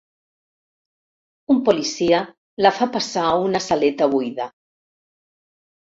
Un policia la fa passar a una saleta buida.